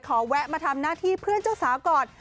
แวะมาทำหน้าที่เพื่อนเจ้าสาวก่อน